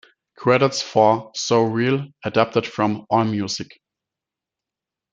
Credits for "So Real" adapted from Allmusic.